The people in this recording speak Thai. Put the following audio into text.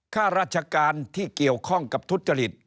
ข้าราชการที่เกี่ยวข้องกับทุจริต